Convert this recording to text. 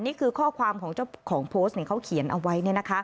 นี่คือข้อความของเจ้าของโพสต์เขาเขียนเอาไว้